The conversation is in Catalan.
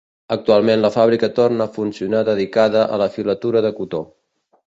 Actualment la fàbrica torna a funcionar dedicada a la filatura de cotó.